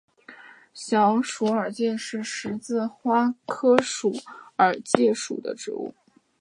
小鼠耳芥是十字花科鼠耳芥属的植物。